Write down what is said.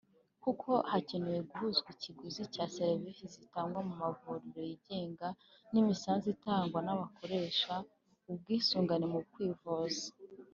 kuko hakeneye guhuzwa ikiguzi cya serivisi zitangwa mu mavuriro yigenga n’imisanzu itangwa n’abakoresha ubwisungane mu kwivuza